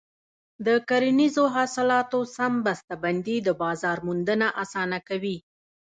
د کرنیزو حاصلاتو سم بسته بندي د بازار موندنه اسانه کوي.